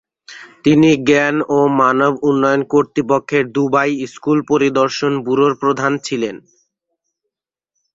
তিনি জ্ঞান ও মানব উন্নয়ন কর্তৃপক্ষের দুবাই স্কুল পরিদর্শন ব্যুরোর প্রধান ছিলেন।